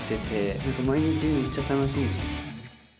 毎日めっちゃ楽しいんですよね。